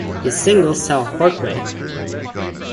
His single "South Parkway".